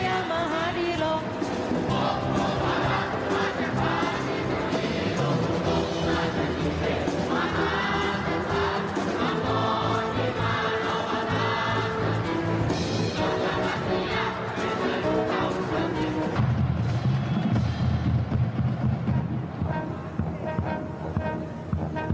ทราอยุธยมฮาริโรคของพระราชมาเจ้าฟ้าที่สุดที่สุดที่สุด